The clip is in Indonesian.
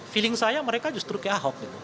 feeling saya mereka justru ke ahok gitu